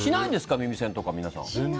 耳栓とか皆さん。